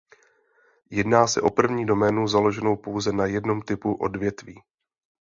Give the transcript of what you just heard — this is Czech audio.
Jedná se o první doménu založenou pouze na jednom typu odvětví.